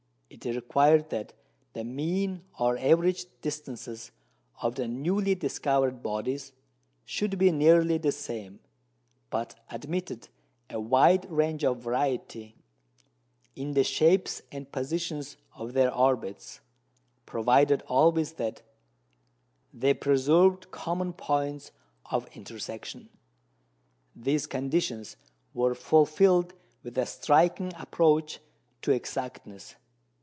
It required that the mean or average distances of the newly discovered bodies should be nearly the same, but admitted a wide range of variety in the shapes and positions of their orbits, provided always that they preserved common points of intersection. These conditions were fulfilled with a striking approach to exactness.